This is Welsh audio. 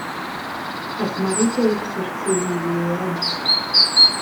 Aeth Mari Huws i'r tŷ i wylo yn ddistaw.